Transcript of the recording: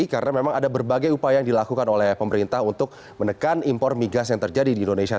karena memang ada berbagai upaya yang dilakukan oleh pemerintah untuk menekan impor migas yang terjadi di indonesia